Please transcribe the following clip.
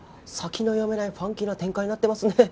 先の読めないファンキーな展開になってますね